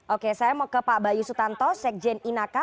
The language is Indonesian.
oke saya mau ke pak bayu sutanto sekjen inaka